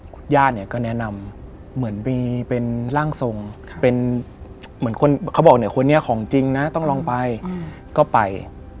คุณย่าเนี่ยก็แนะนำเหมือนมีเป็นร่างทรงเป็นเหมือนคนเขาบอกเนี่ยคนนี้ของจริงนะต้องลองไปก็ไป